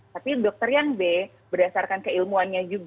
tapi dokter yang b berdasarkan keilmuannya juga